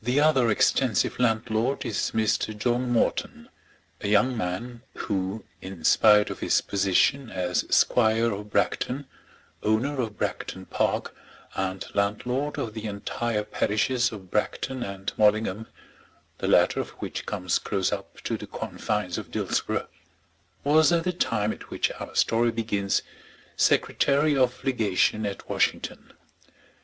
The other extensive landlord is Mr. John Morton, a young man, who, in spite of his position as squire of Bragton, owner of Bragton Park, and landlord of the entire parishes of Bragton and Mallingham, the latter of which comes close up to the confines of Dillsborough, was at the time at which our story begins, Secretary of Legation at Washington.